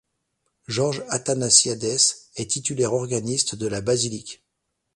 Georges Athanasiadès est titulaire organiste de la basilique.